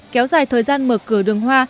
kéo dài thời gian mở cửa đường hoa